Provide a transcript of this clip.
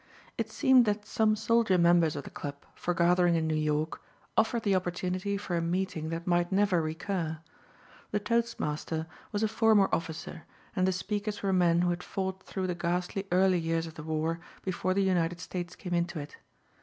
It seemed that some soldier members of the club, foregathering in New York, offered the opportunity for a meeting that might never recur. The toastmaster was a former officer and the speakers were men who had fought through the ghastly early years of the war before the United States came into it.